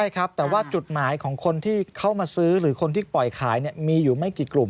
ใช่ครับแต่ว่าจุดหมายของคนที่เข้ามาซื้อหรือคนที่ปล่อยขายมีอยู่ไม่กี่กลุ่ม